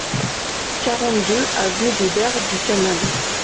quarante-deux avenue des Berges du Canal